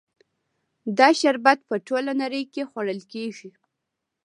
دا شربت په ټوله نړۍ کې خوړل کیږي.